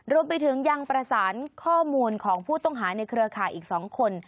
รวมไปถึงยังประสานข้อมูลของผู้ต้องหาในเครือข่ายอีก๒คน